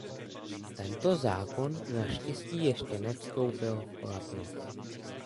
Tento zákon naštěstí ještě nevstoupil v platnost.